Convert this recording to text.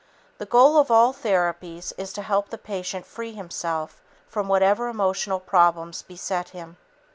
The goal of all therapies is to help the patient free himself from whatever emotional problems beset him.